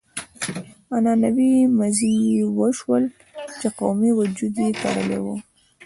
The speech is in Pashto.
عنعنوي مزي يې وشلول چې قومي وجود يې تړلی و.